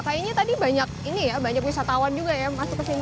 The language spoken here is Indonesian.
kayaknya tadi banyak wisatawan juga ya masuk ke sini